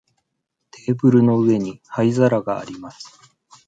テーブルの上に灰皿があります。